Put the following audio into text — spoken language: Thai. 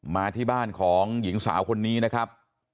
มาที่บ้านของหญิงสาวคนนี้นะครับ